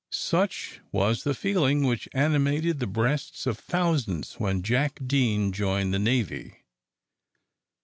Such was the feeling which animated the breasts of thousands when Jack Deane joined the navy.